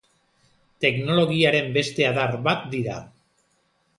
Teknologiaren beste adar bat dira.